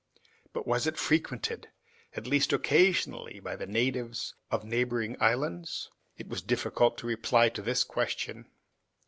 But was it frequented, at least occasionally, by the natives of neighboring islands? It was difficult to reply to this question.